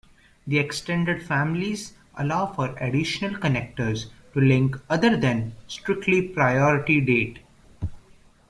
The extended families allow for additional connectors to link other than strictly priority date.